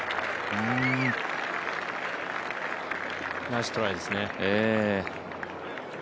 ナイストライですね。